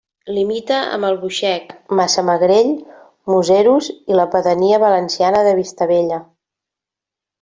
Limita amb Albuixec, Massamagrell, Museros i la pedania valenciana de Vistabella.